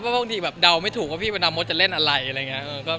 บางทีแบบเดาไม่ถูกว่าพี่ประดามดจะเล่นอะไรอะไรอย่างนี้